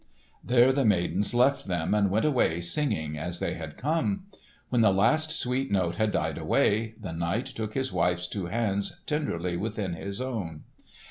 There the maidens left them and went away singing as they had come. When the last sweet note had died away, the knight took his wife's two hands tenderly within his own.